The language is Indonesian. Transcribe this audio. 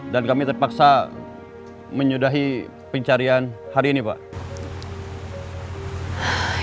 dan kami terpaksa menyudahi pencarian hari ini pak